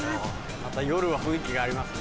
また夜は雰囲気がありますね。